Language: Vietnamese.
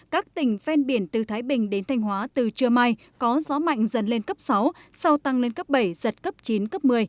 các tỉnh ven biển từ thái bình đến thanh hóa từ trưa mai có gió mạnh dần lên cấp sáu sau tăng lên cấp bảy giật cấp chín cấp một mươi